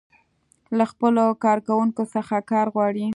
له خپلو کارکوونکو څخه کار غواړي.